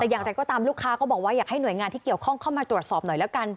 แต่อย่างไรก็ตามลูกค้าก็บอกว่าอยากให้หน่วยงานที่เกี่ยวข้องเข้ามาตรวจสอบหน่อยแล้วกัน